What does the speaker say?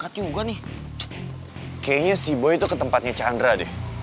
kayaknya si boy itu ke tempatnya chandra deh